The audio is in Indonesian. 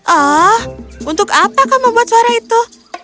oh untuk apa kamu membuat suara itu